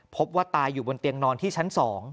พบว่าตายอยู่บนเตียงนอนที่ชั้น๒